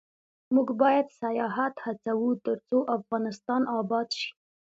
موږ باید سیاحت هڅوو ، ترڅو افغانستان اباد شي.